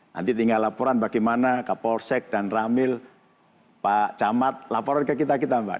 nanti tinggal laporan bagaimana kapolsek dan ramil pak camat laporan ke kita kita mbak